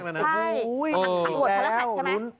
ใช่อังคารโหวดธรรหัสใช่ไหม